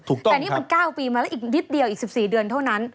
แต่นี่มัน๙ปีมาแล้วอีกนิดเดียวอีก๑๔เดือนเท่านั้น